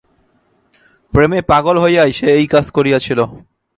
প্রেমে পাগল হইয়াই সে এই কাজ করিয়াছিল।